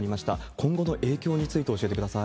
今後の影響について教えてください。